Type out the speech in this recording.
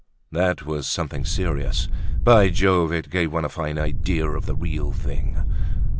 That was something serious. By Jove! it gave one a fine idea of the real thing.